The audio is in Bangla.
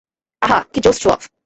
আহা, কী জোশ শো-অফ!